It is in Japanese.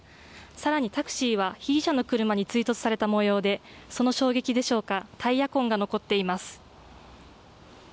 更にタクシーは被疑者の車に追突された模様でその衝撃でしょうかタイヤ痕が残っています。